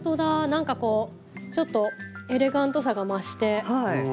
なんかこうちょっとエレガントさが増して。